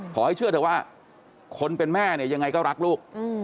ขอให้เชื่อเถอะว่าคนเป็นแม่เนี่ยยังไงก็รักลูก